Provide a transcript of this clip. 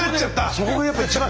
そこがやっぱ一番。